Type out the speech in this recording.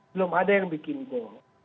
belum ada yang bikin gol